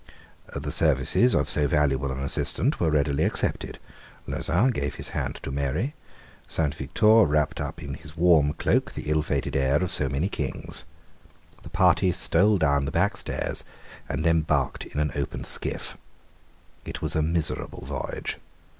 The services of so valuable an assistant were readily accepted. Lauzun gave his hand to Mary; Saint Victor wrapped up in his warm cloak the ill fated heir of so many Kings. The party stole down the back stairs, and embarked in an open skiff. It was a miserable voyage.